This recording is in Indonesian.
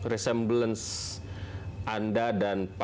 key yg lebihruktur daripada kita